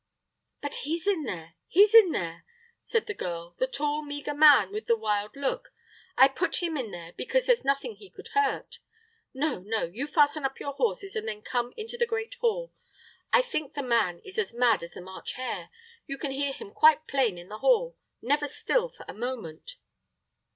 "But he's in there he's in there," said the girl; "the tall, meagre man with the wild look. I put him in there because there's nothing he could hurt. No, no; you fasten up your horses, and then come into the great hall. I think the man is as mad as a March hare. You can hear him quite plain in the hall; never still for a moment."